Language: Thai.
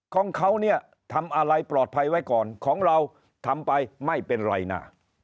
ของเขาเนี่ยทำอะไรปลอดภัยไว้ก่อนของเราทำไปไม่เป็นไรนะ